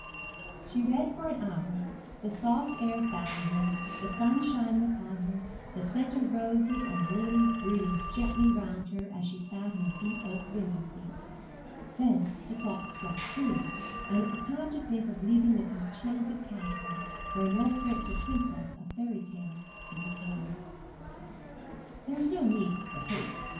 She read for an hour, the soft air fanning her, the sun shining upon her, the scent of roses and lilies breathing gently round her as she sat in the deep oak window seat. Then the clock struck three, and it was time to think of leaving this enchanted castle, where no prince or princess of fairy tale ever came. There was no need for haste.